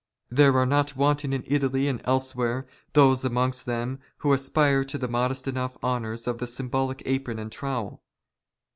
There are not wanting '' in Italy and elsewhere, those amongst them, who aspire to the " modest enough honours of the symbolic apron and trowel.